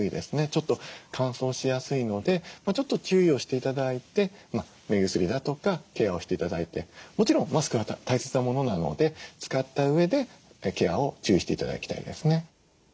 ちょっと乾燥しやすいのでちょっと注意をして頂いて目薬だとかケアをして頂いてもちろんマスクは大切なものなので使ったうえでケアを注意して頂きたいですね。